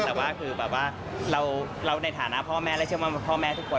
แต่ว่าคือแบบว่าเราในฐานะพ่อแม่และเชื่อว่าพ่อแม่ทุกคน